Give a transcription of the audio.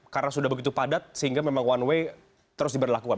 karena sudah begitu padat sehingga memang one way terus diberlakuan